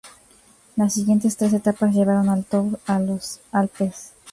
Las siguientes tres etapas llevaron al Tour a los Alpes.